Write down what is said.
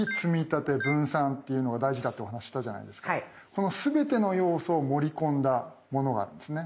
このすべての要素を盛り込んだものがあるんですね。